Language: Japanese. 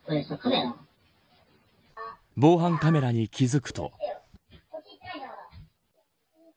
防犯カメラに気付くと。